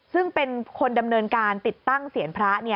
ซึ่งเป็นคนดำเนินการติดตั้งเสียนพระ